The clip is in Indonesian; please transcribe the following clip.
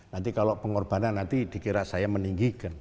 nanti kalau pengorbanan nanti dikira saya meninggikan